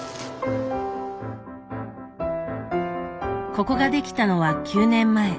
ここが出来たのは９年前。